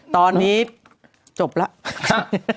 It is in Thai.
ตอนนี้จบแล้ว